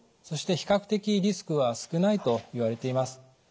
そして比較的リスクは少ないといわれています。